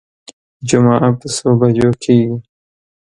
جمعه په څو بجو کېږي.